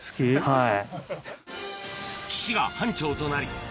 はい。